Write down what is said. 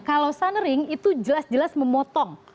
kalau sunring itu jelas jelas memotong